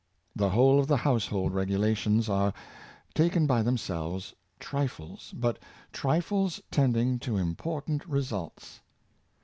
The whole of the household regulations are, taken by them selves, trifles, but trifles tending to important results.